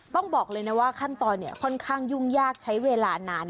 บอกเลยนะว่าขั้นตอนค่อนข้างยุ่งยากใช้เวลานาน